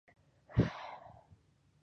د بدخشان په راغستان کې د قیمتي ډبرو نښې دي.